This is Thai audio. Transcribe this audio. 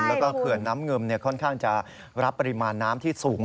แล้วก็เขื่อนน้ำงึมค่อนข้างจะรับปริมาณน้ำที่สูง